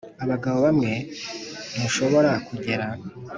abagabo bamwe ntushobora kugera.